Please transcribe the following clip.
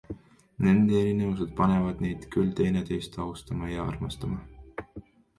Nende erinevused panevad neid küll teineteist austama ja armastama.